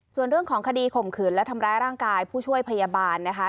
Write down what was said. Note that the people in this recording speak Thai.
ส่วนเรื่องของคดีข่มขืนและทำร้ายร่างกายผู้ช่วยพยาบาลนะคะ